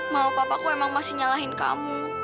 mau papaku emang masih nyalahin kamu